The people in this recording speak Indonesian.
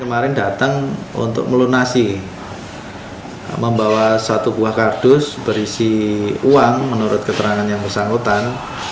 kemarin datang untuk melunasi membawa satu buah kardus berisi uang menurut keterangan yang bersangkutan